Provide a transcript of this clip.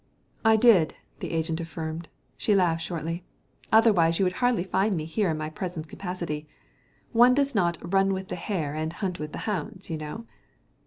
"I did," the agent affirmed. She laughed shortly. "Otherwise you would hardly find me here in my present capacity. One does not 'run with the hare and hunt with the hounds,' you know."